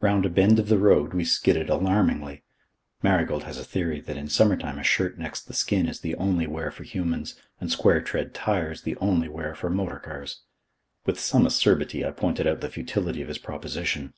Round a bend of the road we skidded alarmingly. Marigold has a theory that in summer time a shirt next the skin is the only wear for humans and square tread tyres the only wear for motor cars. With some acerbity I pointed out the futility of his proposition.